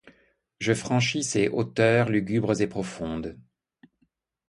Je franchis ces hauteurs lugubres et profondes